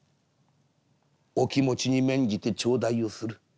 お気持ちに免じて頂戴をする。